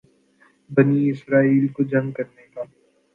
بنی اسرائیل کو جنگ کرنے کا